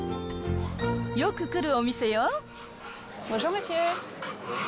よく来るお店よ。